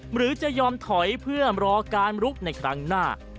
หรือจะยอมถอยเพื่อรอการลุกในครั้งหน้า